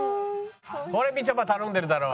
これみちょぱ頼んでるだろう。